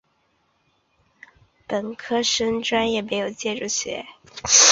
本科生专业设有建筑学。